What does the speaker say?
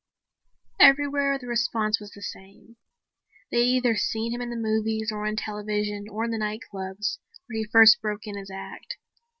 Everywhere the response was the same. They had either seen him in the movies or on television or in the nightclubs, where he first broke in his act.